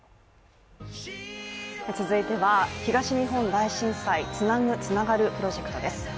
続いては東日本大震災「つなぐ、つながる」プロジェクトです。